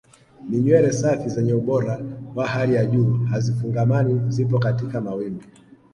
Ni nywele safi zenye ubora wa hali ya juu hazifungamani zipo katika mawimbi